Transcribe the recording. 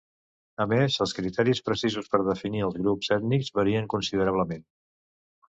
A més, els criteris precisos per definir els grups ètnics varien considerablement.